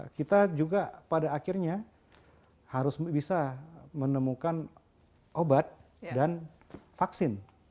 kita juga pada akhirnya harus bisa menemukan obat dan vaksin